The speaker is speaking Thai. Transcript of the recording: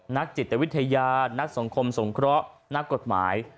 นักจิตวิทยานักสังคมสงเคราะห์นักกฎหมาย